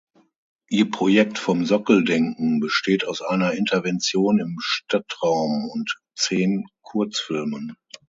Ihr Projekt „Vom Sockel denken“ besteht aus einer Intervention im Stadtraum und zehn Kurzfilmen.